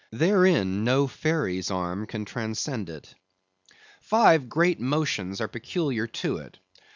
Therein no fairy's arm can transcend it. Five great motions are peculiar to it.